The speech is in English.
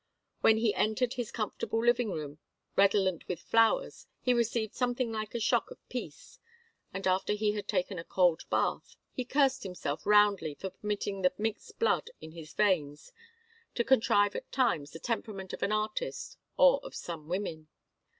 When he entered his comfortable living room, redolent of flowers, he received something like a shock of peace, and after he had taken a cold bath, he cursed himself roundly for permitting the mixed blood in his veins to contrive at times the temperament of an artist or of some women.